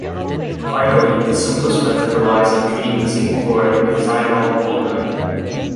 Finally, the simplest method relies on treating the zinc chloride with thionyl chloride.